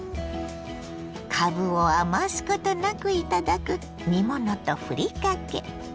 かぶを余すことなくいただく煮物とふりかけ。